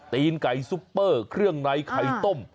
ตีนไก่ซุปเปอร์เครื่องในไข่ต้ม